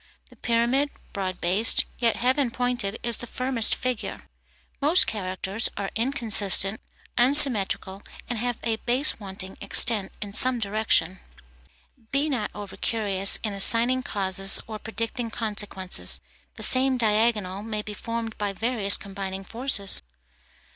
The pyramid, broad based, yet heaven pointed, is the firmest figure. Most characters are inconsistent, unsymmetrical, and have a base wanting extent in some direction. Be not over curious in assigning causes or predicting consequences; the same diagonal may be formed by various combining forces.